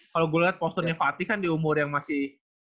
kalau gue lihat posturnya fatih kan di umur yang masih